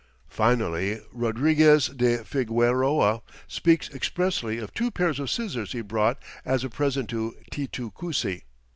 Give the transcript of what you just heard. Finally Rodriguez de Figueroa speaks expressly of two pairs of scissors he brought as a present to Titu Cusi.